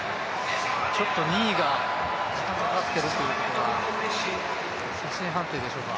ちょっと２位が時間かかってるということは、写真判定でしょうか。